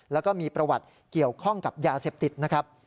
แล้วก็มีประวัติเกี่ยวข้องกับยาเสพติดนะครับ